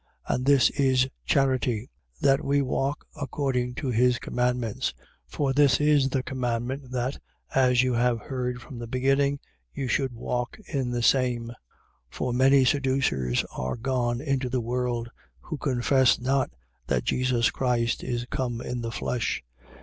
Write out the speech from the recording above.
1:6. And this is charity: That we walk according to his commandments. For this is the commandment that, as you have heard from the beginning, you should walk in the same: 1:7. For many seducers are gone out into the world who confess not that Jesus Christ is come in the flesh.